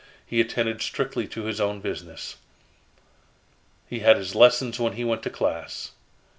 He attended strictly to his own business. He had his lessons when he went to class.